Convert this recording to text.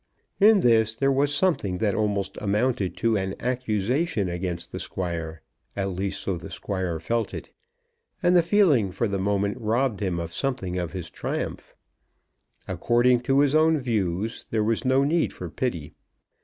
In this there was something that almost amounted to an accusation against the Squire. At least so the Squire felt it; and the feeling for the moment robbed him of something of his triumph. According to his own view there was no need for pity.